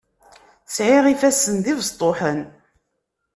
Sεiɣ ifassen d ibestuḥen.